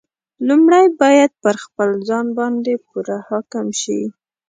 لومړی باید پر خپل ځان باندې پوره حاکم شي.